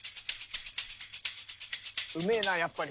うめえなやっぱり。